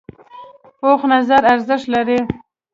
پوخ نظر ارزښت لري